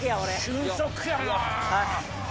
俊足やな。